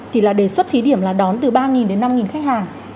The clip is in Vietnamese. thì là đề xuất thí điểm là đón từ ba đến năm khách hàng